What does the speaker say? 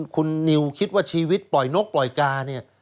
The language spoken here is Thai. คุณนิวคิดว่าชีวิตปล่อยนกปล่อยกาเนี่ย